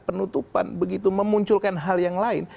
penutupan begitu memunculkan hal yang lain